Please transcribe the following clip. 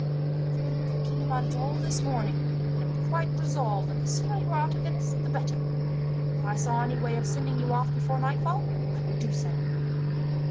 I have been thinking about it all this morning, and am quite resolved that the sooner you are out of Venice the better. If I saw any way of sending you off before nightfall I would do so.